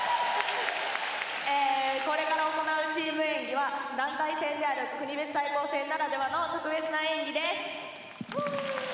これから行うチーム演技は団体戦である国別対抗戦ならではの特別な演技です。